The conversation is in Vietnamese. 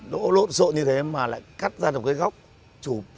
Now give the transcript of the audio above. nỗ lộn rộn như thế mà lại cắt ra một cái góc chụp